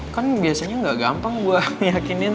kan biasanya gak gampang gue meyakinkan